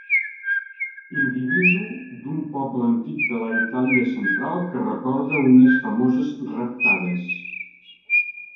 Individu d'un poble antic de la Itàlia central que recorda unes famoses raptades.